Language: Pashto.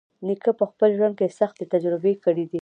نیکه په خپل ژوند کې سختۍ تجربه کړې دي.